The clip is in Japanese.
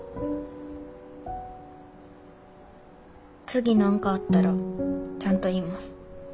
次何かあったらちゃんと言います。